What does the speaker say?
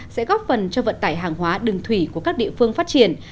sẽ góp phần cho vận tải hàng hóa đường thủy của các địa phương phát triển